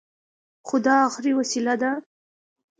خو دا اخري وسيله ده.